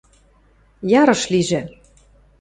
— Ярыш лижӹ!